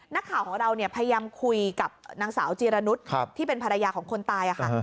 นักข่าวของเราพยายามคุยกับนางสาวจีรนุษย์ที่เป็นภรรยาของคนตายค่ะ